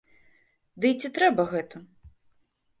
Ды і ці трэба гэта?